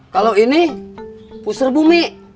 kalo ini pusar bumi